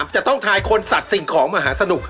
จะต้องทายคนสัตว์สิ่งของมหาสนุก